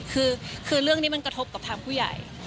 คือเรื่องนี้มันกระทบกับทางผู้ใหญ่